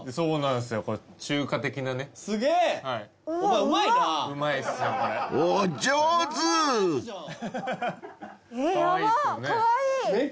うまい。